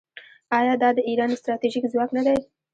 آیا دا د ایران ستراتیژیک ځواک نه دی؟